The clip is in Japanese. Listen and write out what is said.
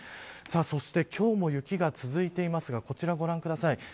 そして今日も雪が続いていますが、こちらご覧ください。